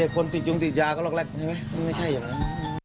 คนติดยุงติดยาก็รักแรกใช่ไหมไม่ใช่อย่างนั้น